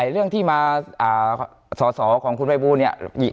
เรื่องที่มาสอสอของคุณภัยบูลเนี่ย